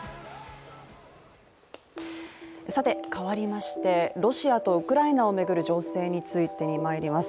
変わりましてロシアとウクライナを巡る情勢についてまいります。